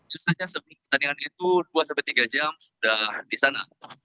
susahnya sebelum pertandingan itu dua tiga jam sudah di sana